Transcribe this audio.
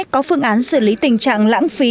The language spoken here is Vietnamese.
có phương án xử lý tình trạng lãng phí